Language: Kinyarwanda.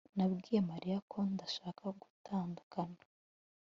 Nabwiye Mariya ko nshaka gutandukana